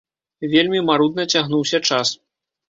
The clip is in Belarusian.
Вельмі марудна цягнуўся час.